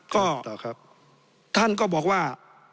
ก็ท่านก็บอกว่า